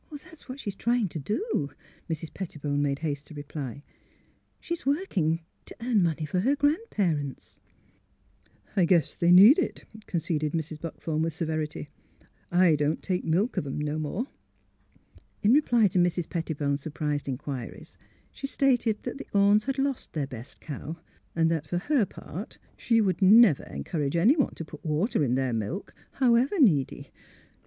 " That's what she's trying to do," Mrs. Petti bone made haste to reply. " She's working to earn money for her grandparents." 134 THE HEART OF PHILUEA I guess they need it," conceded Mrs. Buck thorn, with severity; '^ I don't take milk of 'em no more." In reply to Mrs. Pettibone's surprised inquiries she stated that the Ornes had lost their best cow; and that, for her part, she would never encourage anyone to put water in their milk, however needy.